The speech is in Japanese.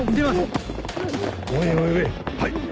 はい。